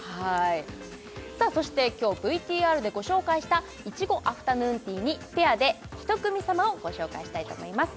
そして今日ＶＴＲでご紹介したいちごアフタヌーンティーにペアで１組様をご招待したいと思います